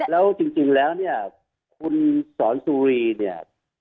แล้วจริงแล้วคุณสอนจุรี